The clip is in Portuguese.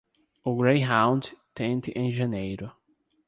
O Greyhound, tente em janeiro.